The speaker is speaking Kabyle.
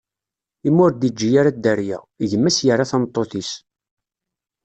Imi ur d-iǧǧi ara dderya, gma-s yerra tameṭṭut-is.